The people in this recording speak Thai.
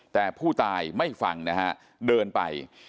แต่ผู้ตายไม่ฟังนะฮะเดินไป